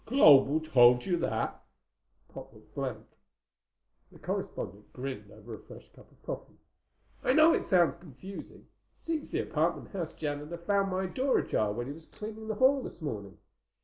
"Global told you that?" Pop looked blank. The correspondent grinned over a fresh cup of coffee. "I know it sounds confusing. Seems the apartment house janitor found my door ajar when he was cleaning the hall this morning.